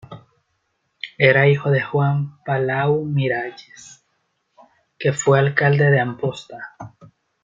Era hijo de Juan Palau Miralles, que fue alcalde de Amposta.